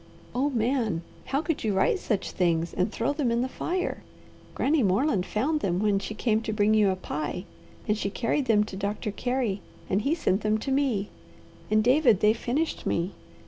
Oh Man, how could you write such things and throw them in the fire? Granny Moreland found them when she came to bring you a pie, and she carried them to Doctor Carey, and he sent them to me, and, David, they finished me.